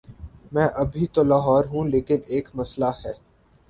میں ابھی تو لاہور ہوں، لیکن ایک مسلہ ہے۔